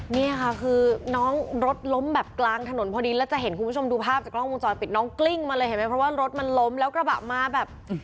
นี่ค่ะคือน้องรถล้มแบบกลางถนนพอดีแล้วจะเห็นคุณผู้ชมดูภาพจากกล้องวงจรปิดน้องกลิ้งมาเลยเห็นไหมเพราะว่ารถมันล้มแล้วกระบะมาแบบ